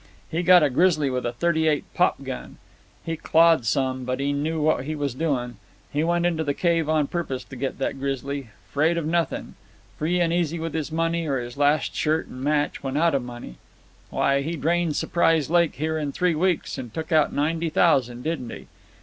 He got a grizzly with a '38 popgun. He got clawed some, but he knew what he was doin'. He went into the cave on purpose to get that grizzly. 'Fraid of nothing. Free an' easy with his money, or his last shirt an' match when out of money. Why, he drained Surprise Lake here in three weeks an' took out ninety thousand, didn't he?"